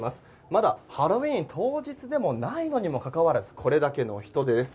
まだハロウィーン当日でもないのにもかかわらずこれだけの人出です。